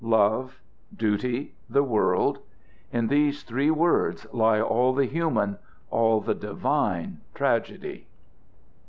Love duty the world; in those three words lie all the human, all the divine, tragedy.